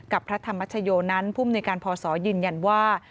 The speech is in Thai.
กับพระธรรมเจโยนั้นภูมิในการพอสอยืนยันว่า